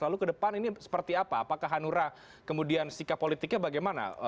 lalu ke depan ini seperti apa apakah hanura kemudian sikap politiknya bagaimana